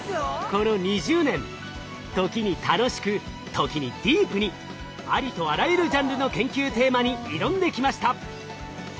この２０年時に楽しく時にディープにありとあらゆるジャンルの研究テーマに挑んできました。